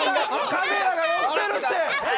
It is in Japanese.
カメラが寄ってるって。